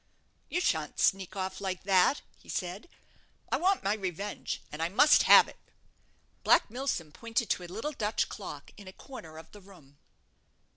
"You shan't sneak off like that," he said; "I want my revenge, and I must have it." Black Milsom pointed to a little Dutch clock in a corner of the room.